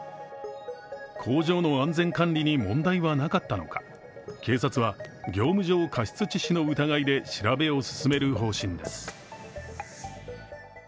工場の安全管理に問題はなかったのか、警察は、業務上過失致死の疑いで調べを進める方針です。